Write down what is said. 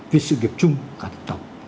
vì sự nghiệp chung cả tổng